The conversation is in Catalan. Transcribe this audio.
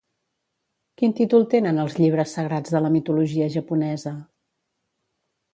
Quin títol tenen els llibres sagrats de la mitologia japonesa?